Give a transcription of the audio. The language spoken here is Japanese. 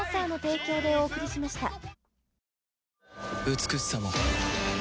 美しさも